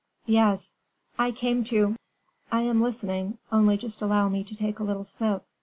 "Yes, I came to " "I am listening. Only just allow me to take a little sip.